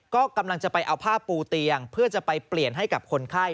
ก็กำลังจะไปเอาผ้าปูเตียงเพื่อจะไปเปลี่ยนให้กับคนไข้